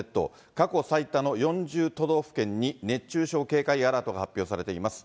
過去最多の４０都道府県に熱中症警戒アラートが発表されています。